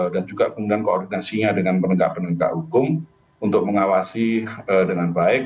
dan juga kemudian koordinasinya dengan penegak penegak hukum untuk mengawasi dengan baik